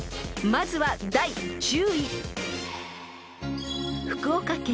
［まずは第１０位］